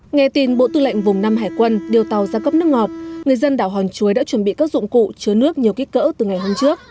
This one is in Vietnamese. nghe tin bộ tư lệnh vùng năm hải quân điều tàu ra cấp nước ngọt người dân đảo hòn chuối đã chuẩn bị các dụng cụ chứa nước nhiều kích cỡ từ ngày hôm trước